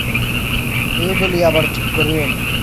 এই বলিয়া আবার চুপ করিলেন।